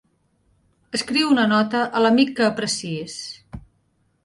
Escriu una nota a l'amic que apreciïs.